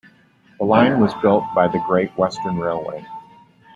The line was built by the Great Western Railway.